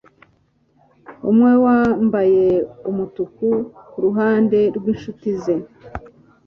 umwe wambaye umutuku kuruhande rwinshuti ze